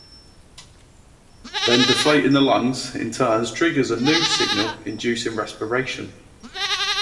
Then deflating the lungs in turns triggers a new signal inducing respiration.